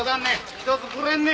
１つくれんね。